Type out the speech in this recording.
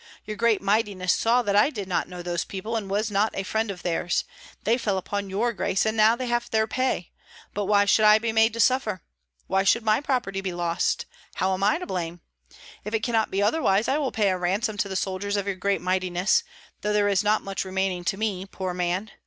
"Your great mightiness saw that I did not know those people, and was not a friend of theirs. They fell upon your grace, and now they have their pay; but why should I be made to suffer? Why should my property be lost? How am I to blame? If it cannot be otherwise, I will pay a ransom to the soldiers of your great mightiness, though there is not much remaining to me, poor man.